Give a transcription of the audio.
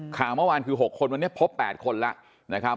ข่าวเมื่อวานคือ๖คนวันนี้พบ๘คนแล้วนะครับ